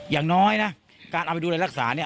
อย่างน้อยนะการเอาไปดูแลรักษาเนี่ย